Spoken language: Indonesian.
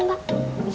ya makasih ya